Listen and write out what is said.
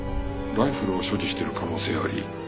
「ライフルを所持している可能性あり」